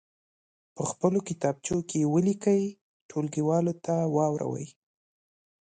په خپلو کتابچو کې یې ولیکئ ټولګیوالو ته واوروئ.